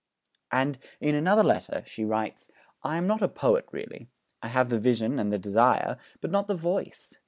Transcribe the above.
And, in another letter, she writes: 'I am not a poet really. I have the vision and the desire, but not the voice.